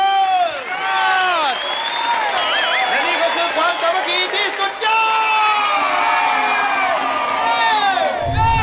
และนี่ก็คือความสามัคคีที่สุดยอด